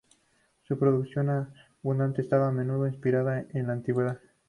Su producción, abundante, estaba a menudo inspirada en la antigüedad.